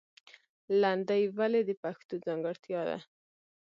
لندۍ ولې د پښتو ځانګړتیا ده؟